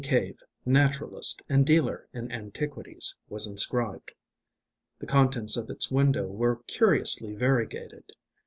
Cave, Naturalist and Dealer in Antiquities," was inscribed. The contents of its window were curiously variegated.